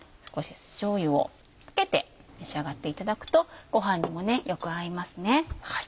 酢じょうゆをかけて召し上がっていただくとご飯にもよく合いますね。